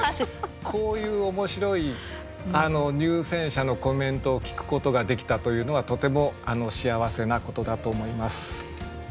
こういう面白い入選者のコメントを聞くことができたというのはとても幸せなことだと思います。